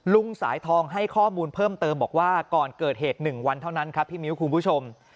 ลุงสายทองให้ข้อมูลเพิ่มเติมบอกว่าก่อนเกิดเหตุ๑วันเท่านั้นครับพี่มิ้วคุณผู้ชม